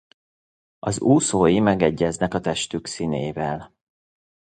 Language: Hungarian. Az úszói megegyeznek a testük színével.